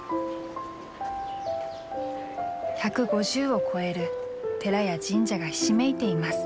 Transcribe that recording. １５０を超える寺や神社がひしめいています。